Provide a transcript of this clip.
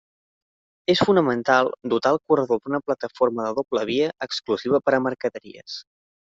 És fonamental dotar el corredor d'una plataforma de doble via exclusiva per a mercaderies.